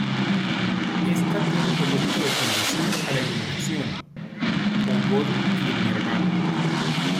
Esta tiene el propósito de conducir a la iluminación, o bodhi, y el Nirvana.